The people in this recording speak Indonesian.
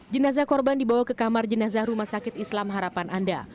jenazah korban dibawa ke kamar jenazah rumah sakit islam harapan anda